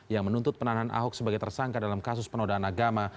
yang menuntut penahanan ahok sebagai tersangka dalam kasus penodaan agama